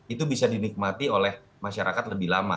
itu bisa dinikmati oleh masyarakat lebih lama